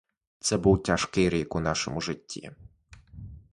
Це був тяжкий рік у нашому житті.